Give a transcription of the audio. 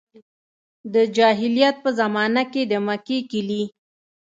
د جاهلیت په زمانه کې د مکې کیلي.